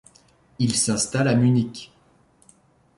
Il s'installe à Munich.